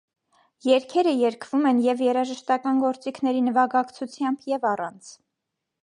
Երգերը երգվում են և երաժշտական գործիքների նվագակցությամբ, և առանց։